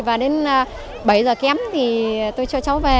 và đến bảy giờ kém thì tôi cho cháu về